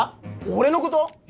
俺のこと！？